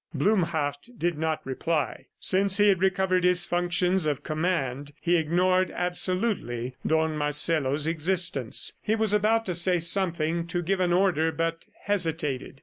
Blumhardt did not reply. Since he had recovered his functions of command, he ignored absolutely Don Marcelo's existence. He was about to say something, to give an order, but hesitated.